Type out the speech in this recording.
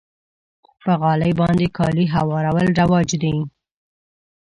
په غالۍ باندې کالي هوارول رواج دی.